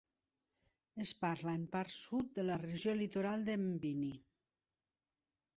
Es parla en part sud de la regió litoral de Mbini.